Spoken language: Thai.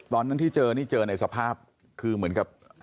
ตอนนั้นที่เจอนี่เจอในสภาพคือเหมือนกับ